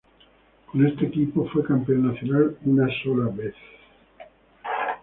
Con ese equipo fue campeón nacional una sola vez.